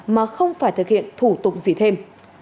mà không phải thực hiện thủ tục gì thêm